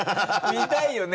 見たいよね